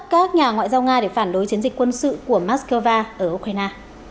các nhà ngoại giao nga để phản đối chiến dịch quân sự của moscow ở ukraine